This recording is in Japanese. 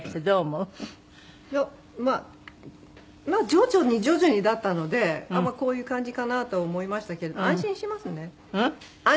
いやまあ徐々に徐々にだったのでこういう感じかなとは思いましたけれど安心しますね。